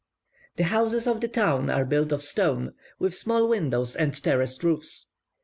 The houses of the town are built of stone, with small windows and terraced roofs.